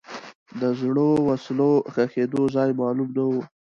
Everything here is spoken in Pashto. د زړو وسلو ښخېدو ځای معلوم نه و.